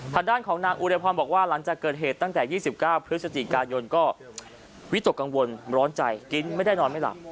ทางด้านของนางอุรพรบอกว่าหลังจากเกิดเหตุตั้งแต่๒๙พฤศจิกายนก็วิตกกังวลร้อนใจกินไม่ได้นอนไม่หลับ